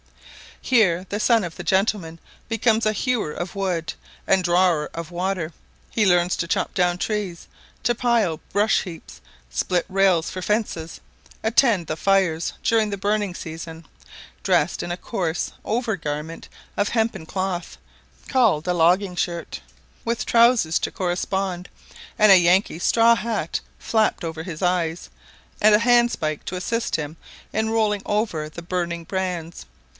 Here the son of the gentleman becomes a hewer of wood and drawer of water; he learns to chop down trees, to pile brush heaps, split rails for fences, attend the fires during the burning season, dressed in a coarse over garment of hempen cloth, called a logging shirt, with trousers to correspond, and a Yankee straw hat flapped over his eyes, and a handspike to assist him in rolling over the burning brands.